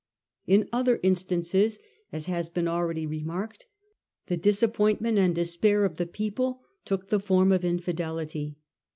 In other instances, as has been already remarked, the disappointment and despair of the people took the form of infidelity.